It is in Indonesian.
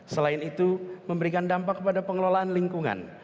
selain itu memberikan dampak kepada pengelolaan lingkungan